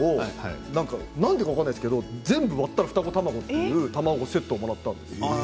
なんでか分からないけど全部割ったら双子卵のセットをもらったんです。